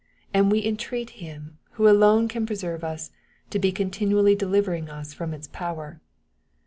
And we entreat Him, who alone can preserve us, to be continually delivering us from its power.